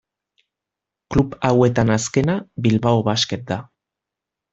Klub hauetan azkena Bilbao Basket da.